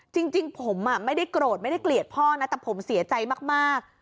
จริงผมไม่ได้โกรธไม่ได้เกลียดพ่อนะแต่ผมเสียใจมาก